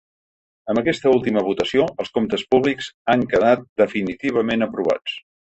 Amb aquesta última votació, els comptes públics han quedat definitivament aprovats.